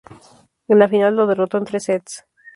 En la final lo derrotó en tres sets.